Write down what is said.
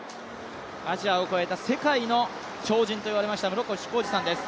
アジアを超えた世界の超人といわれました室伏広治さんです。